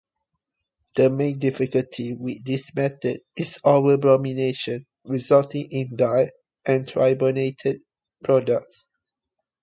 The main difficulty with this method is over-bromination, resulting in di- and tribrominated products.